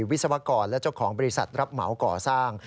วิศวกรและเจ้าของบริษัทรับเหมาก่อสร้าง